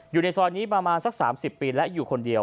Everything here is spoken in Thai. อยู่ในซอยนี้ประมาณสัก๓๐ปีและอยู่คนเดียว